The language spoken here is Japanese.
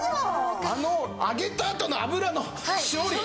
あの揚げたあとの油の処理。